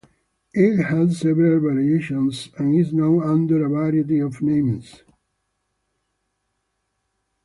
It has several variations and is known under a variety of names.